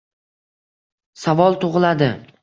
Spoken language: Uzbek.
Savol tug‘iladi: